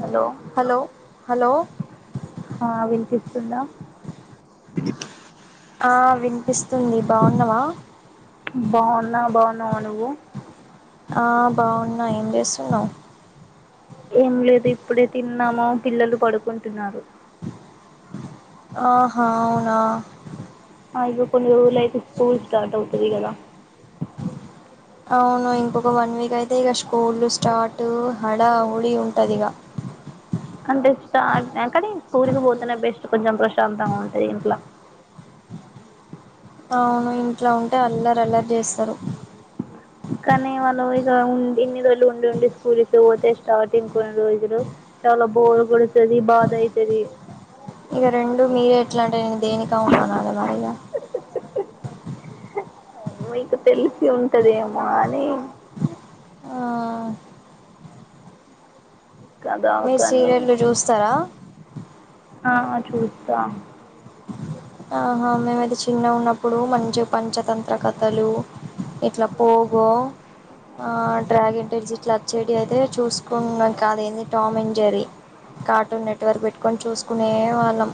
Hello hello hello వింత సున్నా ఆ వినిపిస్తుంది బాగున్నావా బాగున్నా బాగున్నావా నువ్వు ఆ బాగున్నా ఏం చేస్తున్నావు్ ఏం లేదు ఇప్పుడే తిన్నాముో పిల్లలు పడుకుంటున్నారు ఆహా అవునా ఇది కొన్ని రోజులు అయితే స్కూల్ స్టార్ట్ అవుతుది కదా అవును ఇంకొక వన్ వీక్ అయితే ఇక స్కూల్లు స్టార్ట్ హడా ఉడి ఉంటది ఇక అంటే ఎంకాడ స్కూరికి పోతేనే బెస్ట్ కొంచెం ప్రశాంతంగా ఉంటది ఇంట్లో అవును ఇంట్లో ఉంటే అల్లారు అల్లారు చేస్తారు కానీ వాళ్లు ఇగ ఉండి ఇన్ని రోజులు వెళ్లు ఉండి ఉండి స్కూలికి పోతే స్టార్టింగ్ కొన్ని రోజులు చాలా బోరు కొడుతది బాధ అయితది ఇగ రెండు మీరే ఎట్లా అంటే నేను దేనిక ఉను అనద [unintelligible] మరి ఇక మీకు తెలిసి ఉంటదేమో అని ఆ కదా మీ కానీ సీరియల్లు చూస్తారా ఆ చూస్తా ఆహా మీమైతే చిన్నగున్నప్పుడు మంచి పంచతంత్ర కథలు ఇట్లా పోగో ఆ డ్రాగన్ టెలిజిట్లు వచ్చేటి అయితే చూసుకున్నాం కాదు ఏది Tom and Jerry. Cartoon network పెట్టుకొని చూసుకునే వాళ్ళం.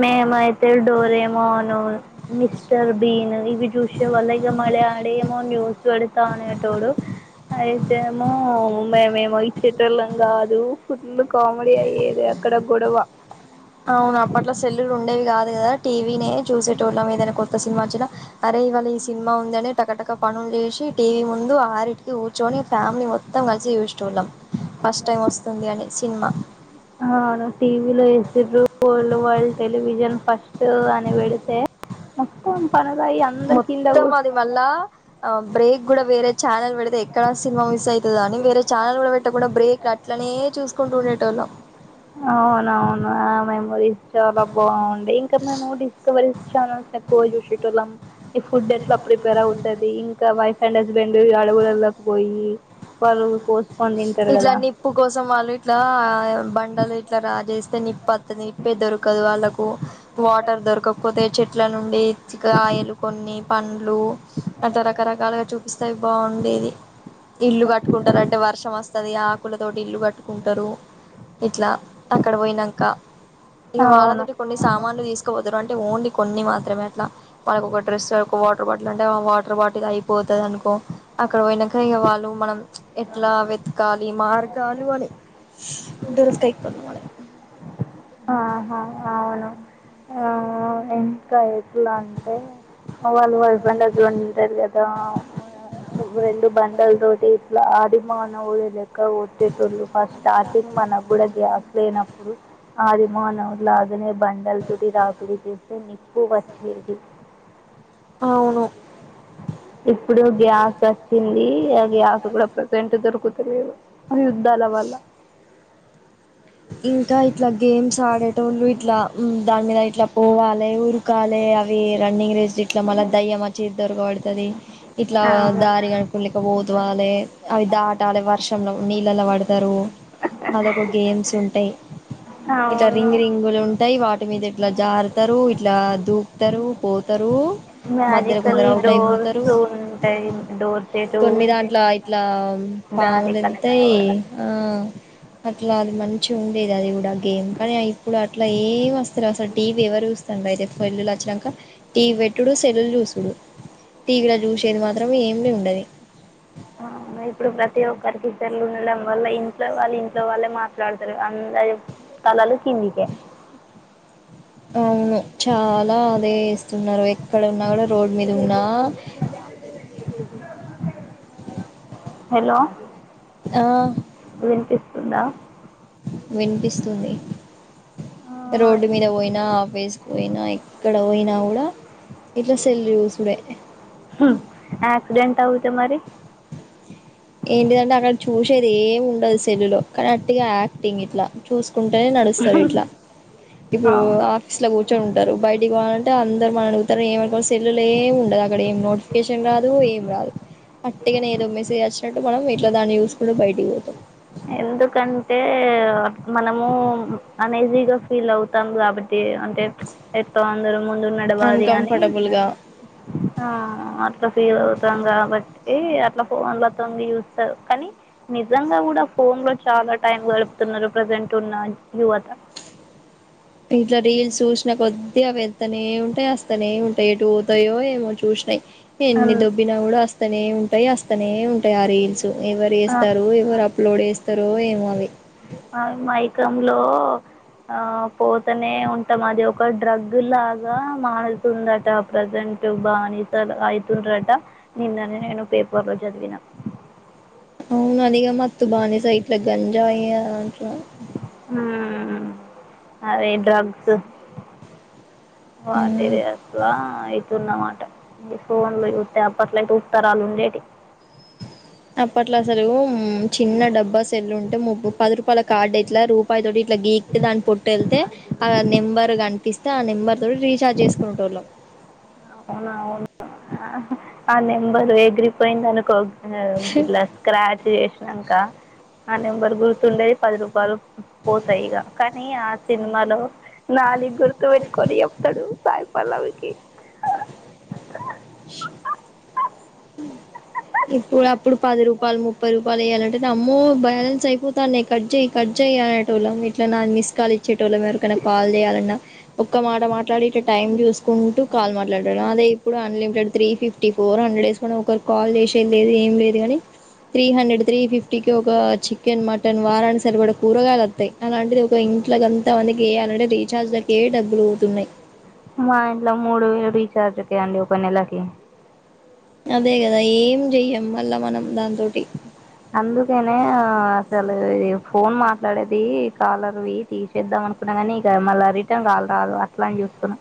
మేమైయితే డోరేమోనో మిస్టర్ బీను ఇవి చూసే వాళ్ల ఇగ మ మళ్ళి అడయేమో జ్యూస్ పెడతా అనేటోడు అయితే ఏమో మేమేమో ఇచ్చేటల్లు వాళ్ళం కాదు ఫుల్ కామెడీ అయ్యేది. ఇక్కడ గొడవ అవును అప్పట్లో సెల్లులు ఉండేవి కాదు కదా టీవీనే చూసేటోళ్ళం ఏదైనా కొత్త సినిమా వచ్చినా. అరే ఇవాళ ఈ సినిమా ఉందని టకటక పనులు చేసి టీవీ ముందు ఆరింటికి కూర్చొని ఫ్యామిలీ మొత్తం. మొత్తం కలిసి చూసే వాళ్ళం ఫస్ట్ టైం వస్తుంది అని సినిమా. అవును టీవీలో వేసిన్రు వాళ్ళు వరల్డ్ టెలివిజన్ ఫస్టు అని పెడితే. మొత్తం పర మొత్తం అది మళ్ళా ఆ బ్రేక్ కూడా వేరే ఛానల్ పెడితే ఎక్కడా సినిమా మిస్ అయితదో అని వేరే ఛానల్ కూడా పెట్టకుండా బ్రేక్లు అట్లనే చూసుకుంటూ ఉండేటల్లు. అవునవును ఆమె మెమరీస్ చాలా బాగున్ ఇంకా మేము డిస్కవరీస్ ఛానల్స్ ఎక్కువ చూసెటోళ్ళం. ఈ ఫుడ్ ఎట్లా ప్రిపేర్ అవుతది ఇంకా వైఫ్ అండ్ హస్బెండ్ అడవులల్లో పోయి. వాళ్ళు కోసుకొని తింటారు ఇట్లా కదా నిప్పు కోసం వాళ్ళు ఇట్లా బండలు ఇట్లా రాజేస్తే నిప్పత్తది నిప్పే దొరకదు వాళ్ళకు. వాటర్ దొరకపోతే చెట్ల నుండి ఇచ్చికాయలు కొన్ని పండ్లు అట్లా రకరకాలుగా చూపిస్తే బాగుండేది ఇల్లు క కుంటారు అంటే వర్షం వస్తది ఆకుల తోటి ఇల్లు కట్టుకుంటారు. ఇట్లా అక్కడ పోయినాక ఇక అవును వాళ్ళతోటి కొన్ని సామాన్లు తీసుకుపోతారు అంటే ఓన్లీ కొన్ని మాత్రమే అట్లా వాళ్ళకి ఒక డ్రెసకో ఒక వాటర్ బాటిల్ అంటే వాటర్ బాటిల్ అయిపోతది అనుకో అక్కడ పోయినంక వాళ్ళు మనం ఎట్లా వెతకాలి మార్గాలు అని దొరకతయి పోమని ఆహా అవును ఆ ఎంత ఇద్ ఎట్లా అంటే వాళ్ళు వైఫ్ అండ్ హస్బెండ్ ఉంటారు కదా రెండు బండల తోటి ఇట్లా ఆదిమానవుడి లెక్క కొట్టేటోల్లు ఫస్ట్ స్టార్టింగ్ మన అప్పుడే గ్యాప్ లేనప్పుడు అదిమానవుడిలా లాగానే బండలతోటి రాపిడి చేస్తే నిప్పు వచ్చేది. అవును ఇప్పుడు గ్యాస్ వచ్చింది ఆ గ్యాస్ కూడా ప్రజెంట్ దొరుకుతలేదు. యుద్ధాల వల్ల ఇంకా ఇట్లా గేమ్స్ ఆడేటోళ్లు ఇట్లా ఉమ్ దాని మీద ఇట్లా పోవాలి ఉరకాలే అవి రన్నింగ్ రేస్ ఇట్లా మళ్ళా దయ్యం వచ్చి దొరకబడతది ఇట్లా అవును దారి కనుకులే పోతు వాళ్లే అవి దాటాలి వర్షంలో నీళ్ళలో పడతారు అదొక గేమ్స్ ఉంటాయ్ ఇట్లా రింగు అవును రింగులు ఉ ఉంటాయి వాటి మీద ఇట్లా జారుతారు. ఇట్లా దూకుతారు, పోతారు. మధ్యలో మ్యాజికల్ కొందరు అవుట్ అయిపోతారు. డోర్స్ ఉంటాయి డోర్ సెటు కొన్ని దాంట్లో ఇట్లా దారి పాములు వత్తాయ్ కలుపుకోవడం ఆ అట్లా అది మంచి ఉండేది. అది కూడా గేమ్ కానీ ఇప్పుడు అట్లా ఏం వస్త అసలు అసలు టీవీ ఎవరు చూస్తుండి అయితే సెల్లులు వచ్చినాక టీవీ పెట్టుడు సెల్లులు చూసుడు. టివీ లో చూసేది మాత్రం ఏమి ఉండదు. ఇప్పుడు, ప్రతి ఒక్కరికి సెల్లులు ఉండడం వల్ల ఇంట్లో వాళ్ళ ఇంట్లో వాళ్ళే మాట్లాడతా లేరు. అందరూ తలలు కిందికే [inaudible] అవును, చాలా అదే ఇస్తున్నారు ఎక్కడ ఉన్నా కూడా రోడ్ మీద ఉన్నా అ [inaudible] [inaudible] హలో! ఆ ఉన్నా వినిపిస్తుంది. రోడ్డు మీద పోయినా ఆఫీసుకి పోయినా ఎక్కడ పోయినా కూడా ఇట్లా సెల్ చూసుడే. హ్మ్, ఎక్సిడెంట్ అయితే మరి ఏంటిదంటే అక్కడ చూసేది ఏమి ఉండదు సెల్లులో. కానీ వట్టిగా యాక్టింగ్ ఇట్లా చూస్ కుంటేనే నడుస్తారు ఇట్లా ఇప్పుడు అవును ఆఫీస్ లో కూర్చొని ఉంటారు. బయటికి పోవాలంటే అందరూ మనని అడుగుతారు ఏమని ఆ సెల్ ఏమి ఉండదు అక్కడ ఏం నోటిఫికేషన్ రాదు ఏం రాదు అట్టిగానే ఏదో మెసేజ్ వచ్చినట్టు మనం ఇట్లా దాన్ని చూసుకుంటూ బయకి పోతాం. ఎందుకంటే మనము అన్ఈజీగా ఫీల్ అవుతాము కాబట్టి. అంటే ఎస్తావా అందరూ ముందు నడవాలి అని, అన్కంఫర్టబుల్గా అట్లా ఫీల్ అవుతాం కాబట్టి అట్లా ఫోన్లతోంది చూస్తారు. కానీ నిజంగా కూడా ఫోన్ లో చాలా టైమ్ గడుపుతున్నారు ప్రజెంట్ ఉన్న యువత. ఇట్లా రీల్స్ చూసినా కొద్ది అవి వెళ్తానే ఉంటాయి, అస్తనే ఉంటాయి, ఎటు పోతాయో ఏమో చూసినకొద్ది. ఎన్ని అన్- దొబ్బినా కూడా, అస్తనే ఉంటాయి అస్తనే ఉంటాయి ఆ రీల్స్. ఎవరు ఆ- చేస్తారో ఎవరు అప్లోడ్ చేస్తారో ఏమో మరి అవి అ మైకమ్ లో ఆ పోతనే ఉంటాం. అది ఒక డ్రగ్ లాగా మాారుతుందట ప్రజెంట్. బానిసలు అయితుంద్రట నిన్ననే నేను పేపర్ లో చదివినా అవును అదిగా మత్తు బానిసైతె గంజాయి మ్ అదే డ్రగ్స్ మ్మ్. వాటిది ఎట్లా ఇది న్నమాట ఫోన్ లో చూస్తతే అప్పట్లయితే ఉత్తరాలు ఉండేటివి. అప్పట్లో అసలు చిన్న డబ్బా సెల్లు ఉంటే ముప్పు పది రూపాయల కార్డు ఇట్లా రూపాయి తోటి ఇట్లా గీక్ దాని పొట్టు వెళ్తే ఆ నెంబర్ కనిపిస్తే ఆ నంబర్ నంబర్ తో రీచార్జ్ చేసుకునేటోళ్ళం అవున అవును ఆ నెంబర్ ఎగిరిపోయింది అనుకో ఇట్లా స్క్రాచ్ చేసినాక ఆ నెంబర్ గుర్తుండేది పది రూపాయలు పోతాయిగా కానీ ఆ సినిమాలో నాని గుర్తు పెట్టుకొని చెప్తాడు సాయిపల్లవికి. ఇప్పుడు అప్పుడు పది రూపాయలు ముప్పై రూపాయలు వెయ్యాలంట అయితే అమ్మో బ్యాలెన్స్ అయిపోతాను నే కట్ చేయి కట్ చేయ్ అనేటోళ్ళం ఇట్లా నాకు మిస్ కాల్ ఇచ్చే ఎవరికైనా కాల్ చేయాలన్నా ఒక్క మాట మాట్లాడి ఇట్ట టైం చూసుకుంటూ కాల్ మాట్లాడేటోళ్ళం అదే ఇప్పుడు unlimited three fifty four hundred వేసుకున్న ఒకరు కాల్ చేసేది లేదు ఏం లేదు కాని త్రీ హండ్రెడ్ త్రీ ఫిఫ్టీ కి ఒక చికెన్ మటన్ వారానికి సరిపడా కూరగాయలు వత్తాయి అలాంటిది ఒక ఇంట్ల అంత మందికి వేయాలంటే రీఛార్జ్లకే డబ్బులు అవుతున్నాయి మా ఇంట్లో మూడు వేలు రీచార్జ్కే అండి ఒక నెలకి అదే కదా ఏం చెయ్యం మళ్ళా మనం దాని తోటి అందుకనే ఆ అస ఇ ఫోన్ మాట్లాడేది కాలర్వి తీసేద్దాం అనుకున్నా కానీ ఇక మళ్ళా రిటర్న్ కాల్ రా దు అట్లానే చూస్తున్నాం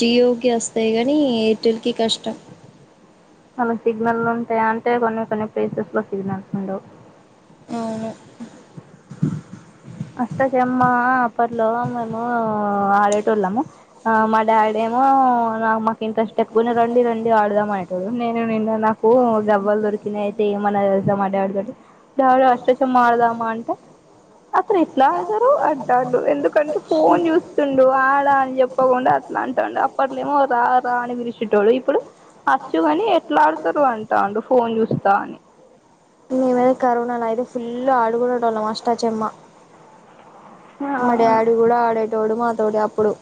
జియోకి వస్తాయి కానీ ఎయిర్టెల్ కి కష్టం పోని సిగ్నల్ ఉంటాయా అంటే కొన్ని కొన్ని ప్లేసెస్ లో సిగ్నల్స్ ఉండవు అవును అష్ట చెమ్మ అప్పట్లో మేము ఆడేటళ్ళము మా డాడీ నాకు మాకు ఇంట్రెస్ట్ ఎక్కువనే రండి రండి ఆడదామ అనేటోళ్ళు నేను నిన్న నాకు దెబ్బలు దొరికి అయితే ఏమన్నా తెలుసా మా డాడీ తోటి డాడీ అష్టాచెమ్మా ఆడదామా అంటే అసలు ఎట్లా ఆడతారు అంటాండు ఎందుకంటే ఫోన్ చూస్తుండు ఆడా అని చెప్పకుండా అట్లా అంటాండు అప్పట్నే ఏమో రా రా అని పిలిచేట్టోడు ఇప్పుడు అచ్చు కాని ఎట్లా ఆడతారు అంటాండు ఫోన్ చూస్తా అని ఇక మేము కరోనా లో ఐతే ఫుల్ ఆడుకునేటోళ్ళం అష్టా చెమ్మా మా అవును డాడీ కూడా ఆడేటోడు మాతోటి అప్పుడు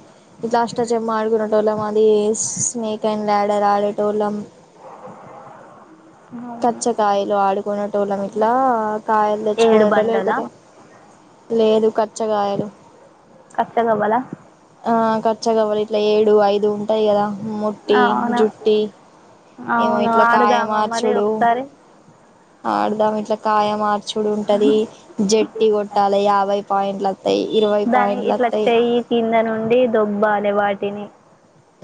ఇట్లా అష్టాచెమ్మా ఆడుకునేటోళ్ళం అది స్నేక్ అండ్ లేడర్ ఆడేటోళ్ళం అవును కచ్చకాయలు ఆడుకునేటోళ్ళం ఇట్లా కాయలు ఏడు తెచ్చుకోనటం బండలా లేకపోతే లేదు కచ్చగాయలు కచ్చగావాల ఆ కచ్చాగవాలి ఇట్లా ఏడు ఐదు ఉంటాయి కదా ముట్టి అవును జుట్టి ఏమో అవును ఇట్లా కాయ ఆడుదామా మరి మార్చుడు ఒకసారి ఆడదాం ఇట్లా కాయ మార్చు చుడు ఉంటది జట్టి కొట్టాలి యాభై పాయింట్లు వత్తయి ఇరవై దాని పాయింట్లు ఇట్లా వత్తయి చెయ్యి కింద నుండి దొబ్బాలి వాటిని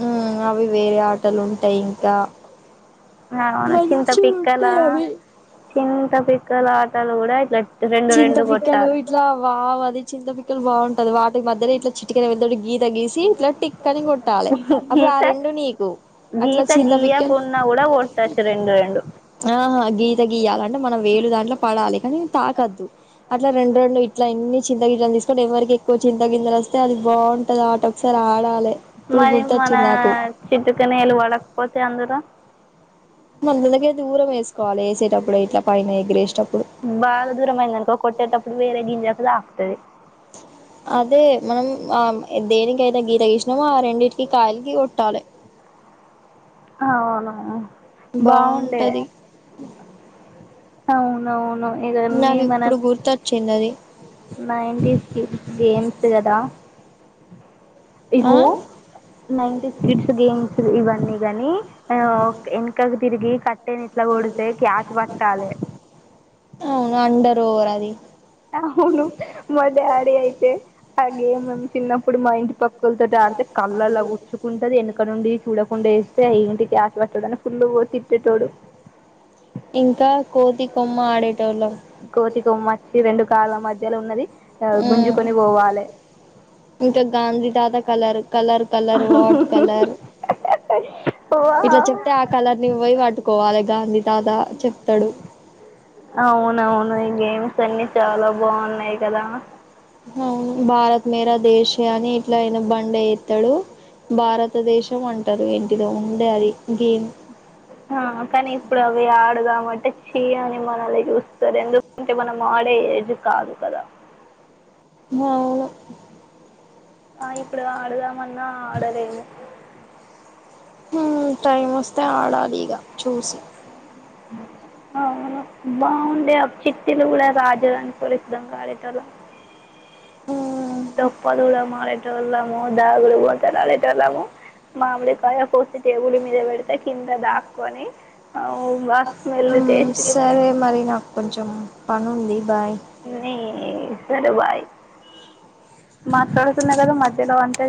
హ్మ్ అవి వేరే ఆటలు ఉంటాయి ఇంకా అవును చింత మంచివి పిక్కల ఉంటయిఅవి చింత పిక్కల ఆటలు కూడా ఇట్లా రెండు రెండు చింతపిక్కలు కొట్టాలి ఇట్లా వావ్ అది చింతపిక్కలు బాగుంటది వాటి మధ్యర ఇట్లా చిట్టుకనవేలు తోటి అప్పుడు ఆ ఇంక రెండు నీకు అట్లా గీత చింతపిక్కలు గీయకున్న కూడా కొట్టొచ్చు రెండు రెండు ఆహా గీత గీయాలంటే మనం వేలు దాంట్లో పడాలి కానీ తాకద్దు అట్లా రెండు రెండు ఇట్ల ఇన్ని చింత గింజలు తీసుకుంటే ఎవరికి ఎక్కువ చింత గింజలు వస్తే అది బాగుంటది ఆట ఒకసారి ఆడాలి ఇప్పుడు మరి మన గుర్తొచ్చింది నాకు చిట్టుకనేలు పడకపోతే అందులో మన దందగే దూరం వేసుకోవాల వేసేటప్పుడు ఇట్లా పైన ఎగరేసేటప్పుడు బాగా దూరం అయిందనుకో కొట్టేటప్పుడు వేరే గింజకు తాకుతుది అదే మనం ఆ దేనికి అయితే గీత గీసినామో ఆ రెండింటికి కాయకి కొట్టాలి ఆ అవునవును బాగుంటాది అవునవును ఇవన్నీ మనం ఇప్పుడు గుర్తొచ్చింది అది నైన్టీస్ కీ గేమ్ తువటా ఆ నైన్టీస్ కిడ్స్ గేమ్స్ ఇవన్నీ గాని ఆ ఓకే వెనుకకు తిరిగి కట్ తిన్ ఇట్లా కొడితే కాస్ పట్టాలే పోరాది అవును మా డాడీ అయితే ఆ గేమ్ ను చిన్నప్పుడు మా ఇంటి పక్క క్కల తోటి ఆడితే కళ్ళలో గుచ్చుకుంటాది వెనక నుండి చూడకుండా వేస్తే ఏంటి ఫుల్ తిట్టెటొడు ఇంకా కోతి కొమ్మ ఆడే కోతి కొమ్మచ్చి రెండు కాళ్ళ మధ్యలో ఉన్నది ఆ గుంజుకొని పోవాలే ఇంకా గాంధీ తాత colour colour colour what colour ఇట్లా వావ్ చెప్తే ఆ కలర్ ని నువ్వు పోయి పట్టుకోవాలే గాంధీ తాత చెప్ అవునవును ఈ గేమ్స్ అన్ని చాలా బాగున్నాయి కదా అవును భారత్ మేర దేశే అని ఇట్లా అయనా బండ ఎత్తాడు భారతదేశం అంటారు ఏంటిదో ఉండే అది ఇంకేం అడితే చీ అని మనల్ని చూస్తారు ఎందుకంటే మనం ఆడే ఏజు కాదు కదా అవును ఆ ఇప్పుడు ఆడదామన్నా అడలేము హ్మ్ టైం వస్తే ఆడాలి ఇగ చూసి ఆహ అవును బాగుండే ఆ చిట్టిలు కూడా రాజాని [unintelligible] హ్మ్ తెప్పల్లము ఆడెటోళ్ళము దాగుడు మూతులు ఆడెటోళ్ళము మామిడి కాయా కోసా టేబుల్ మీద పెడితే కింద దాక్కకొని ఆ బాగ స్మెల్ టేస్ట్ చేసా సరే మరి నాకు కొంచెం పని ఉంది బాయ్ నే సరే బాయ్ మాట్లాడుతున్నా కదా మధ్యలో అంటే